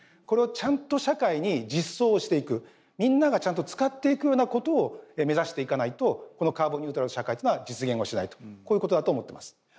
これをちゃんと社会に実装をしていくみんながちゃんと使っていくようなことを目指していかないとこのカーボンニュートラル社会というのは実現をしないとこういうことだと思ってます。